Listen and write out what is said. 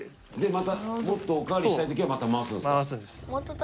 またもっとお代わりしたい時はまた回すんですか。